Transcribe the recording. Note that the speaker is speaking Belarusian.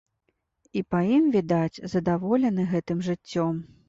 І, па ім відаць, задаволены гэтым жыццём.